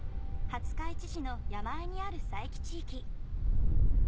廿日市市の山あいにある佐伯地域